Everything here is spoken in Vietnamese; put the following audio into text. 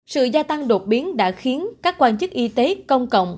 sự gia tăng đột biến đã khiến các quan chức y tế công cộng